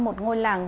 một ngôi làng